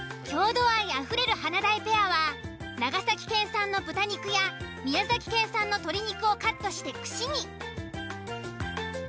郷土愛あふれる華大ペアは長崎県産の豚肉や宮崎県産の鶏肉をカットして串に。